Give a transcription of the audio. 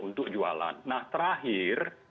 untuk jualan nah terakhir